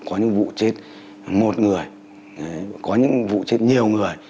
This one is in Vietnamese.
có những vụ trên một người có những vụ chết nhiều người